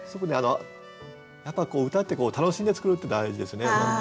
やっぱ歌って楽しんで作るって大事ですね。